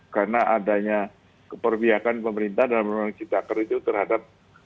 karena adanya keperbiakan pemerintah dalam undang undang citaker itu terhadap